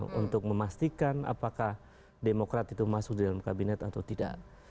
jadi kita harus memastikan apakah demokrat itu masuk di dalam kabinet atau tidak